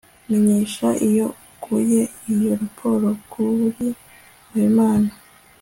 menyesha iyo ukuye iyo raporo kuri habimana